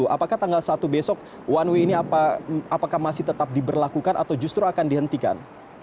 apakah tanggal satu besok one way ini apakah masih tetap diberlakukan atau justru akan dihentikan